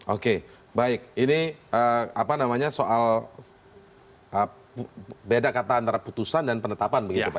oke baik ini apa namanya soal beda kata antara putusan dan penetapan begitu pak